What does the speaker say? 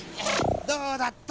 どうだった？